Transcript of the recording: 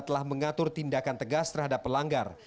telah mengatur tindakan tegas terhadap pelanggar